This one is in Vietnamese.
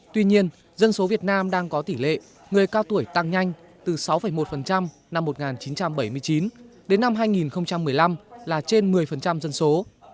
tuy nhiên dân số việt nam đang có tỷ lệ người cao tuổi tăng nhanh từ sáu một năm một nghìn chín trăm bảy mươi chín đến năm hai nghìn một mươi năm là trên một mươi dân số